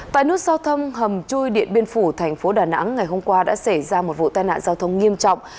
tại nút giao thông hầm chui điện biên phủ thành phố đà nẵng ngày hôm qua đã xảy ra một vụ tai nạn giao thông nghiêm trọng